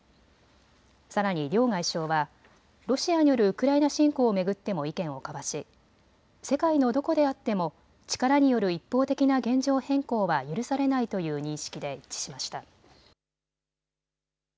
さらに両外相はロシアによるウクライナ侵攻を巡っても意見を交わし世界のどこであっても力による一方的な現状変更は許されないという認識で一致しました。